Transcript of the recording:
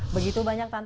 begitu banyak tantangan